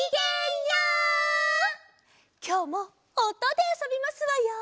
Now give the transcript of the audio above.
きょうもおとであそびますわよ。